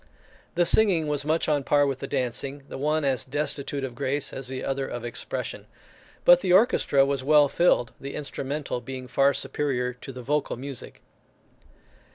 The singing was much on a par with the dancing, the one as destitute of grace as the other of expression; but the orchestra was well filled, the instrumental being far superior to the vocal music.